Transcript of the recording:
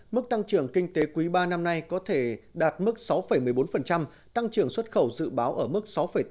mức tăng trưởng kinh tế quý ba năm nay có thể đạt mức sáu một mươi bốn tăng trưởng xuất khẩu dự báo ở mức sáu tám